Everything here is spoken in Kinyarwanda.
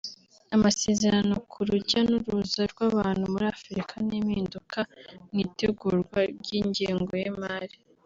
amasezerano ku rujya n’uruza rw’abantu muri Afurika n’impinduka mu itegurwa ry’ingengo y’imari